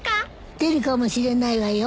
出るかもしれないわよ。